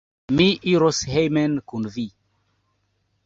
Mi iros hejmen kun vi.